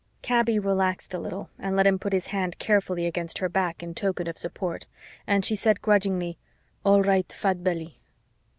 Kaby relaxed a little and let him put his hand carefully against her back in token of support and she said grudgingly, "All right, Fat Belly."